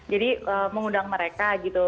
jadi mengundang mereka gitu